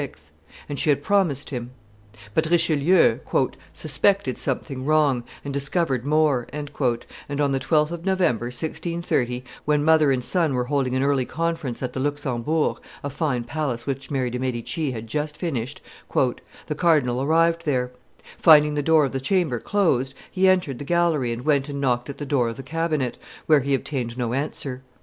276], and she had promised him; but Richelieu "suspected something wrong, and discovered more," and, on the 12th of November, 1630, when mother and son were holding an early conference at the Luxembourg, a fine palace which Mary de' Medici had just finished, "the cardinal arrived there; finding the door of the chamber closed, he entered the gallery and went and knocked at the door of the cabinet, where he obtained no answer.